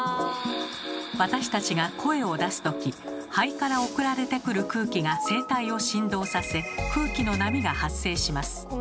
私たちが声を出す時肺から送られてくる空気が声帯を振動させ空気の波が発生します。